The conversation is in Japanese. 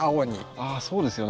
あそうですよね。